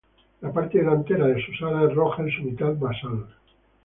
La parte delantera de sus alas es roja en su mitad basal.